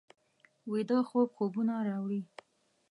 ویده خوب خوبونه راوړي